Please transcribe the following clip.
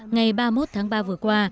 ngày ba mươi một tháng ba vừa qua